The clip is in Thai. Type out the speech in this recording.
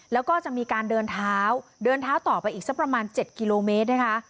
แล้วก็จะมีการเดินเท้าเดินเท้าต่อไปอีกสักประมาณ๗กิโลเมตรนะคะ